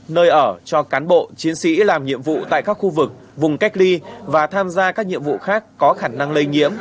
nơi ở cho cán bộ chiến sĩ làm nhiệm vụ tại các khu vực vùng cách ly và tham gia các nhiệm vụ khác có khả năng lây nhiễm